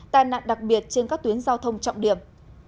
tai nạn đặc biệt trên các tuyến giao thông trọng điểm